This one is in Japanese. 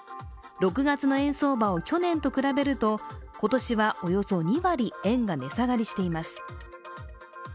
６月の円相場を去年と比べると、今年はおよそ２割、円が値下がりしています。